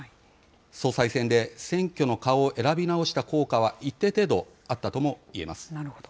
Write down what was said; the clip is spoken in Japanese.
総裁選で選挙の顔を選び直した効果は、一定程度あったともいえまなるほど。